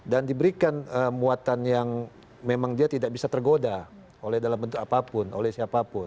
dan diberikan muatan yang memang dia tidak bisa tergoda oleh dalam bentuk apapun oleh siapapun